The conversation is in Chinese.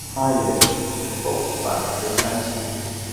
他之后返回山西。